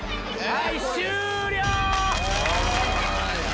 はい終了！